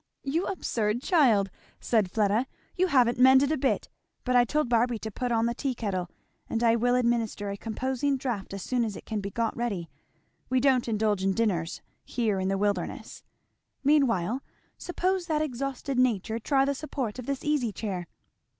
"You absurd child!" said Fleda, "you haven't mended a bit. But I told Barby to put on the tea kettle and I will administer a composing draught as soon as it can be got ready; we don't indulge in dinners here in the wilderness. Meanwhile suppose that exhausted nature try the support of this easy chair?"